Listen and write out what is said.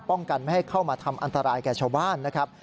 กันไม่ให้เข้ามาทำอันตรายแก่ชาวบ้านนะครับ